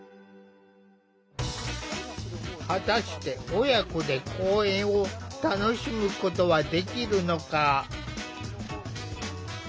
果たして親子で公園を楽しむことはできるのか。